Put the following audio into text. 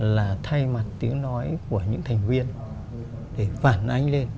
là thay mặt tiếng nói của những thành viên để phản ánh lên